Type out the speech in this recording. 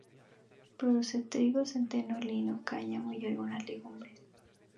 Produce trigo, centeno, lino, cáñamo y algunas legumbres.